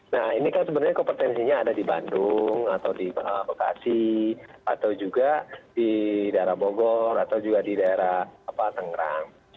nah ini kan sebenarnya kompetensinya ada di bandung atau di bekasi atau juga di daerah bogor atau juga di daerah tenggerang